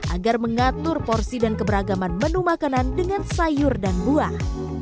agar mengatur porsi dan keberagaman menu makanan dengan sayur dan buah